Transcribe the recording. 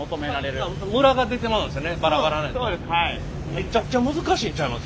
めっちゃくちゃ難しいんちゃいます？